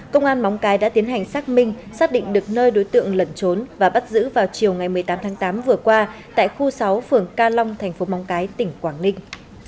công an móng cái đã tiến hành xác minh xác định được nơi đối tượng lẩn trốn và bắt giữ vào chiều ngày một mươi tám tháng tám vừa qua tại khu sáu phường ca long thành phố móng cái tỉnh quảng ninh